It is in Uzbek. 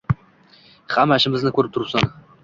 Hamma ishimizni ko‘rib turibsan –